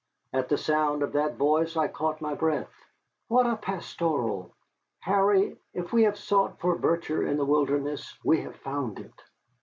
At the sound of that voice I caught my breath. "What a pastoral! Harry, if we have sought for virtue in the wilderness, we have found it."